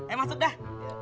eh masuk dah